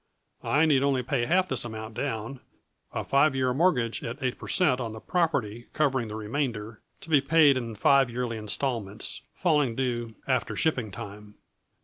I need only pay half this amount down, a five year mortgage at eight per cent. on the property covering the remainder, to be paid in five yearly installments, falling due after shipping time.